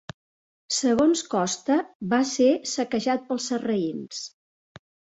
Segons costa, va ser saquejat pels sarraïns.